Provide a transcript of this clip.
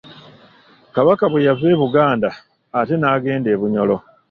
Kabaka bwe yava e Buganda ate n'agenda e Bunyoro.